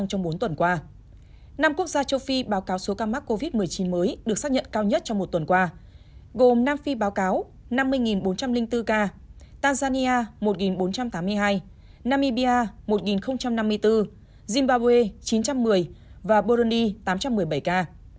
gồm nam phi báo cáo năm mươi bốn trăm linh bốn ca tanzania một bốn trăm tám mươi hai namibia một năm mươi bốn zimbabwe chín trăm một mươi và burundi tám trăm một mươi bảy ca